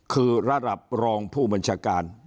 คือระดับรองผู้บัญชาการ